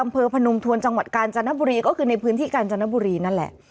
เป็นที่กาญจนบุรีนั่นแหละ